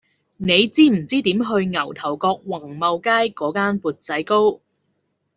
你知唔知點去牛頭角宏茂街嗰間缽仔糕